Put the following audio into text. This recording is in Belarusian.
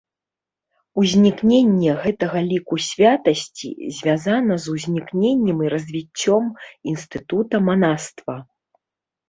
Узнікненне гэтага ліку святасці звязана з узнікненнем і развіццём інстытута манаства.